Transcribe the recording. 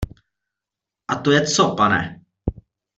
A to je co, pane?